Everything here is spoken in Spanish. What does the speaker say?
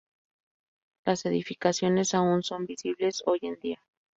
Las edificaciones aún son visibles hoy en día.